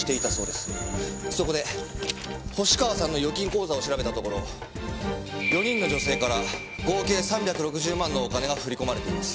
そこで星川さんの預金口座を調べたところ４人の女性から合計３６０万のお金が振り込まれています。